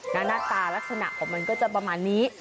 หน้าตาลักษณะของมันก็จะประมาณนี้